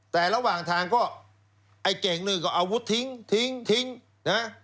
แต่ระหว่างทางก็ไอ้เก่งนี่ก็อาวุธทิ้งทิ้งทิ้งนะ